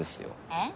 えっ？